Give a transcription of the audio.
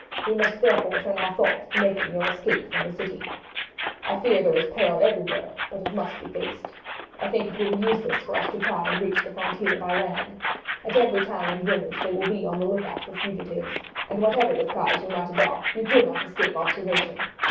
We must therefore turn our thoughts to your making your escape from the city. I fear that there is peril everywhere; but it must be faced. I think it will be useless for us to try and reach the frontier by land. At every town and village they will be on the look out for fugitives, and whatever disguise you might adopt you could not escape observation.